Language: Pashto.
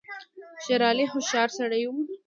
شېر علي هوښیار سړی وو.